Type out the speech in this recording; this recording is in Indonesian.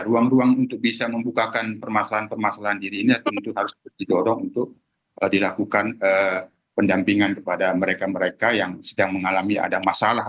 ruang ruang untuk bisa membukakan permasalahan permasalahan diri ini tentu harus didorong untuk dilakukan pendampingan kepada mereka mereka yang sedang mengalami ada masalah